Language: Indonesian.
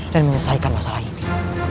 dan menyelesaikan masalah ini